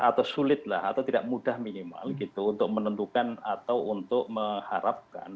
atau sulitlah atau tidak mudah minimal gitu untuk menentukan atau untuk mengharapkan